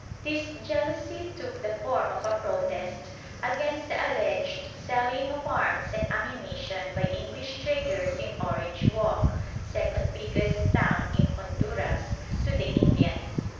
This jealousy took the form of a protest against the alleged selling of arms and ammunition by English traders in Orange Walk (second biggest town in Honduras) to the Indians.